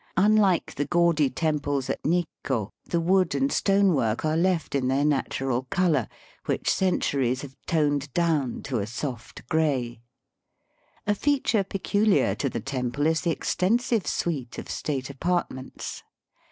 Unlike the gaudy temples at Nikko, the wood and stone work are left in their natural colour, which centuries have toned down to a soft grey. A feature peculiar to the temple is the extensive suite of state apartments.